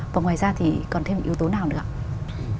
và ngoài ra thì còn thêm những yếu tố nào nữa ạ